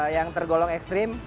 yang tergolong ekstrim